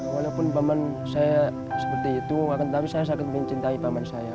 walaupun paman saya seperti itu tapi saya sangat ingin cintai paman saya